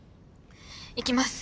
いきます。